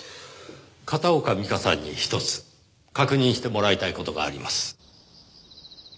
片岡美加さんにひとつ確認してもらいたい事があります。